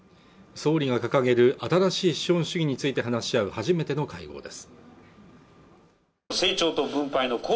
総理が掲げる新しい資本主義について話し合う初めての会合です